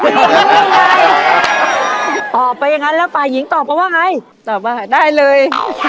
ตอบไปอย่างนั้นแล้วฝ่ายหญิงตอบมาว่าไงตอบว่าได้เลย